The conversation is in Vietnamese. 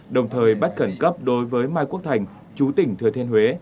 đồng thời bắt khẩn cấp đối với mai quốc thành chú tỉnh thừa thiên huế